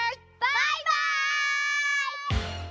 バイバイ！